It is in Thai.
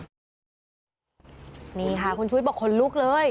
นี่ค่ะคุณชุวิตบอกขนลุกเลย